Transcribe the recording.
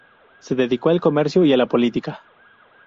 Se dedicó al comercio y la política.